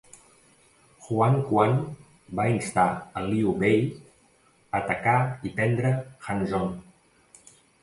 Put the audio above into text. Huang Quan va instar a Liu Bei a atacar i prendre Hanzhong.